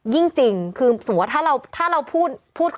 ยิ่งจริงคือสมมติว่าถ้าเราพูด